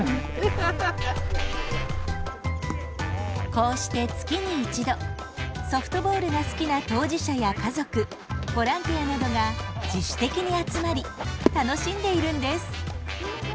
こうして月に１度ソフトボールが好きな当事者や家族ボランティアなどが自主的に集まり楽しんでいるんです。